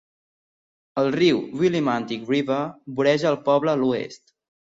El riu Willimantic River voreja el poble a l'oest.